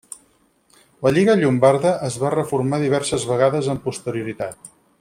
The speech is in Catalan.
La Lliga Llombarda es va reformar diverses vegades amb posterioritat.